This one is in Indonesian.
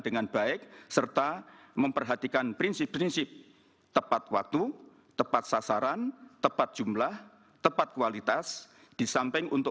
dan lembaga dan kesejahteraan